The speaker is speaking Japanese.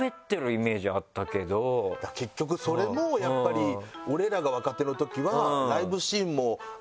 結局それもやっぱり俺らが若手のときは。